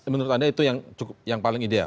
menurut anda itu yang paling ideal